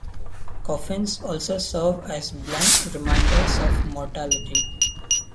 Coffins also serve as blunt reminders of mortality.